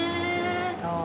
そう。